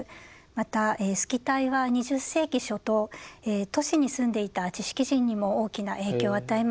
またスキタイは２０世紀初頭都市に住んでいた知識人にも大きな影響を与えました。